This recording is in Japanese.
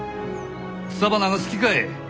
草花が好きかえ？